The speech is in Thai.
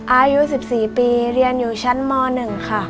อายุ๑๔ปีเรียนอยู่ชั้นม๑ค่ะ